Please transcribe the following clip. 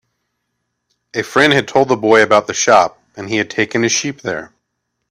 A friend had told the boy about the shop, and he had taken his sheep there.